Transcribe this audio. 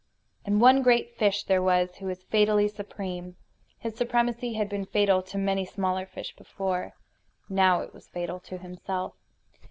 And one great fish there was who was fatally supreme. His supremacy had been fatal to many smaller fish before. Now it was fatal to himself.